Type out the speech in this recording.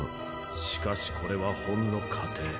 しかしこれはほんの過程。